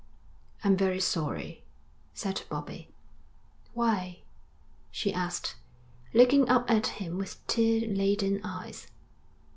'I'm very sorry,' said Bobbie. 'Why?' she asked, looking up at him with tear laden eyes.